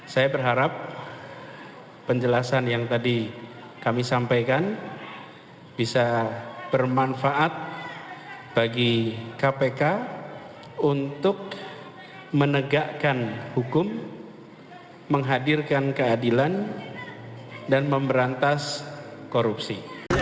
saya berharap penjelasan yang tadi kami sampaikan bisa bermanfaat bagi kpk untuk menegakkan hukum menghadirkan keadilan dan memberantas korupsi